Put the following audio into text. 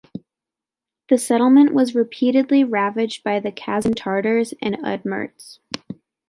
The settlement was repeatedly ravaged by Kazan Tatars and Udmurts.